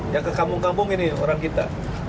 yang kekampung kampung ini orang kita